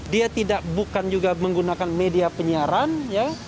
dia tidak bukan juga menggunakan media penyiaran ya